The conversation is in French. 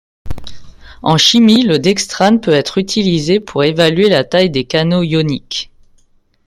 En chimie, le dextrane peut être utilisé pour évaluer la taille des canaux ioniques.